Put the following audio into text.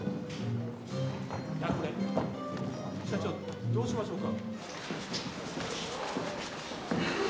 社長どうしましょうか？